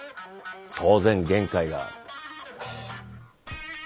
当然限界がある。